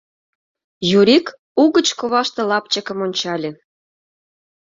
Юрик угыч коваште лапчыкым ончале.